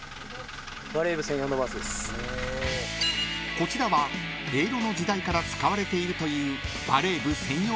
［こちらは永露の時代から使われているという］